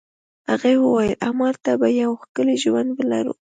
هغې وویل: همالته به یو ښکلی ژوند ولرو.